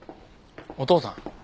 お父さん。